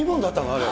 あれ。